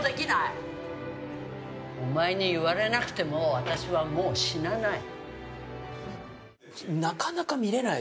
お前に言われなくても私はもう死なない。